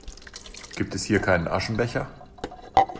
Gibt es hier keinen Aschenbecher?